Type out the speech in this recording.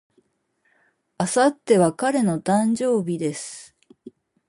明後日は彼の誕生日です。